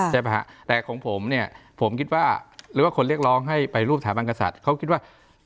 ปะฮะแต่ของผมเนี่ยผมคิดว่าหรือว่าคนเรียกร้องให้ไปรูปสถาบันกษัตริย์เขาคิดว่า